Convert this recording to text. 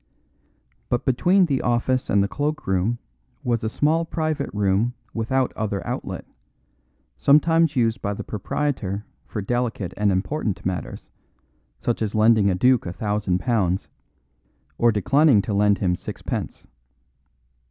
But between the office and the cloak room was a small private room without other outlet, sometimes used by the proprietor for delicate and important matters, such as lending a duke a thousand pounds or declining to lend him sixpence.